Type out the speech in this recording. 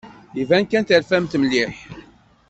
Iban kan terfamt mliḥ.